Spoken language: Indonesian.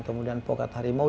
kemudian pokat harimau